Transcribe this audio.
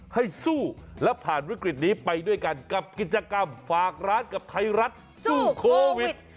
ให้สู้และผ่านวิกฤตนี้ไปด้วยกันกับกิจกรรมฝากร้านกับไทยรัฐสู้โควิด